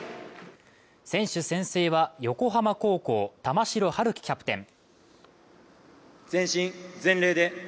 選手宣誓は横浜高校・玉城陽希キャプテン。